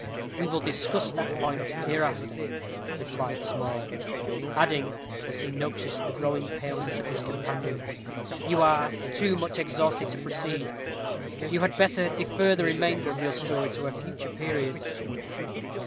"We will discuss that point hereafter," replied Small; adding, as he noticed the growing paleness of his companion, "you are too much exhausted to proceed you had better defer the remainder of your story to a future period."